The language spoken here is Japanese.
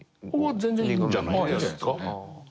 全然いいんじゃないですか。